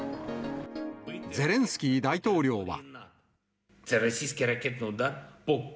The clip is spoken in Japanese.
ゼレンスキー大統領は。